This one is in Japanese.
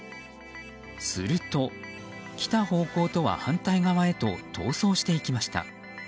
すると、来た方向とは反対側へと逃走していきました。